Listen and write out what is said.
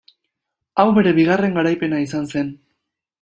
Hau bere bigarren garaipena izan zen.